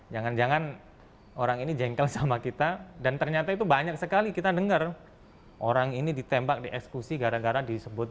jangan jangan orang ini jengkel sama kita dan ternyata itu banyak sekali kita dengar orang ini ditembak dieksekusi gara gara disebut